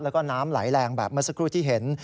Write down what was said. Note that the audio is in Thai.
แล้วก็น้ำไหลแรงแบบเมื่อสักครู่ที่เห็น